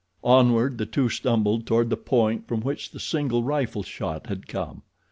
Onward the two stumbled toward the point from which the single rifle shot had come.